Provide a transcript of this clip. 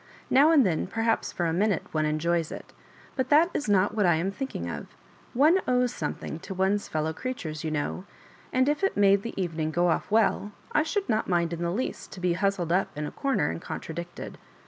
Now and then perhaps for a minute one enjoys it ; but that is not what I am thinking of. One owes something to one's fellow crea tures, you know; and if it made, the evening go off well, I should not mind in the least to be bustled up in a comer and contradicted.